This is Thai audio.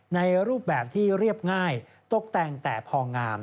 ในรูปแบบที่เรียบง่ายตกแต่งแต่พองาม